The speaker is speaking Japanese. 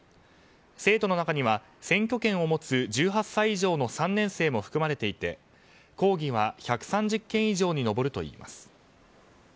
生徒の中には、選挙権を持つ１８歳以上の３年生も含まれていて抗議は１３０件以上に上るといいます。